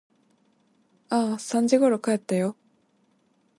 ああ、三時ころ帰ったよ。